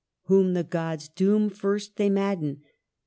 Whom the Gods doom, first they mad den.